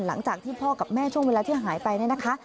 หลังจากที่พ่อกับแม่ช่วงเวลาที่หายไปเนี่ยนะคะ